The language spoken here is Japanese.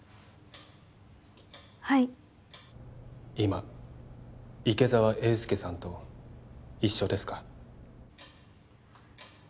はい今池澤英介さんと一緒ですか？